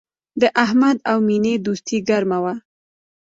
د احمد او مینې دوستي گرمه وه